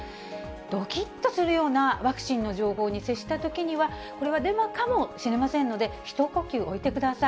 どきっとするようなワクチンの情報に接したときには、これはデマかもしれませんので、一呼吸置いてください。